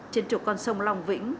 trên trục con sông long vĩnh